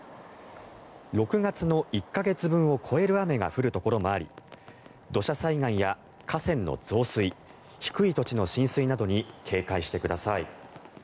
６月の１か月分を超える雨が降るところもあり土砂災害や河川の増水低い土地の浸水などに警戒してください。